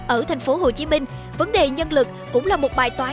ở thành phố hồ chí minh vấn đề nhân lực cũng là một bài toán